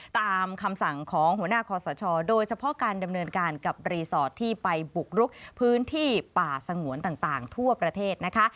ตามคำสั่งของหัวหน้าคอสชโดยเฉพาะการดำเนินการกับรีสอร์ทที่ไปบุกรุกพื้นที่ป่าสงวนต่างทั่วประเทศนะคะ